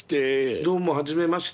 どうもはじめまして。